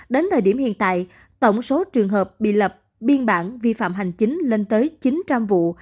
đến thời điểm hiện tại tổng số trường hợp bị lập biên bản vi phạm hành chính lên tới chín trăm linh vụ